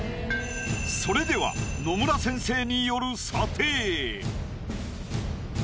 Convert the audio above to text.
それでは野村先生による。